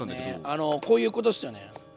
あのこういうことですよね。